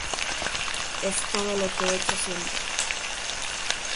Es todo lo que he hecho siempre.